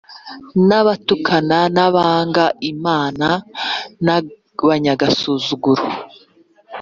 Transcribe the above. n’abatukana, n’abanga Imana n’abanyagasuzuguro